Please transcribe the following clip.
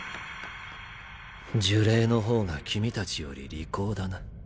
呪霊の方が君たちより利口だな。